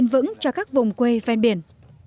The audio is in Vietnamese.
vẫn cho các vùng quê ven biển